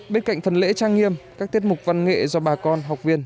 bên cạnh phần lễ trang nghiêm các tiết mục văn nghệ do bà con học viên